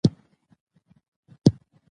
افغانستان په غرونه غني دی.